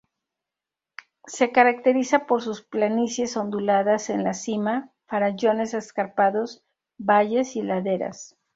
Se caracteriza por sus planicies onduladas en la cima, farallones escarpados, valles y laderas.